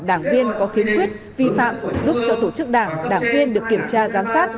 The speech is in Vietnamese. đảng viên có khiến quyết vi phạm giúp cho tổ chức đảng đảng viên được kiểm tra giám sát